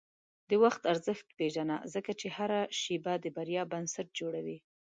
د وخت ارزښت پېژنه، ځکه چې هره شېبه د بریا بنسټ جوړوي.